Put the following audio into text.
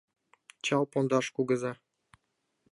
Чал-Пондаш кугыза.